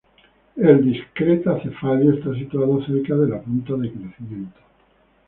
El discreta cefalio está situado cerca de la punta de crecimiento.